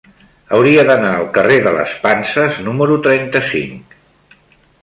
Hauria d'anar al carrer de les Panses número trenta-cinc.